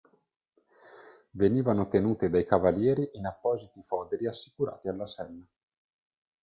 Venivano tenute dai cavalieri in appositi foderi assicurati alla sella.